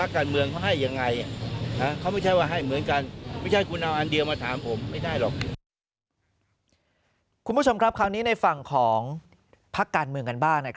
คุณผู้ชมครับคราวนี้ในฝั่งของพักการเมืองกันบ้าง